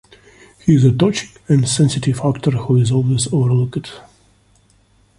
He's a touching and sensitive actor who's always over-looked.